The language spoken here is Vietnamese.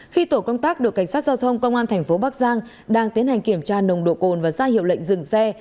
khi tổ công tác được cảnh sát giao thông công an tp bắc giang đang tiến hành kiểm tra nồng độ cồn và ra hiệu lệnh dừng xe